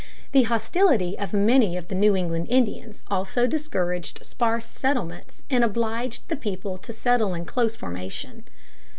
The hostility of many of the New England Indians also discouraged sparse settlements and obliged the people to settle in close formation.